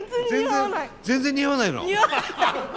全然似合わないの？